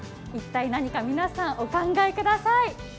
一体何か、皆さんお考えください。